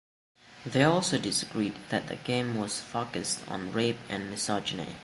They also disagreed that the game was focused on rape and misogyny.